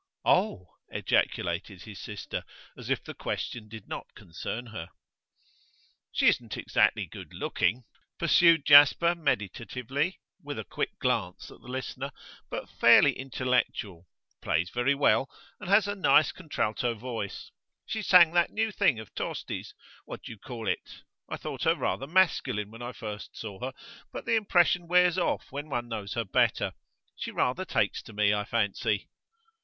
'Oh!' ejaculated his sister, as if the question did not concern her. 'She isn't exactly good looking,' pursued Jasper, meditatively, with a quick glance at the listener, 'but fairly intellectual. Plays very well, and has a nice contralto voice; she sang that new thing of Tosti's what do you call it? I thought her rather masculine when I first saw her, but the impression wears off when one knows her better. She rather takes to me, I fancy.